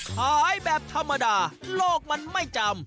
ขายแบบธรรมดาโลกมันไม่จำ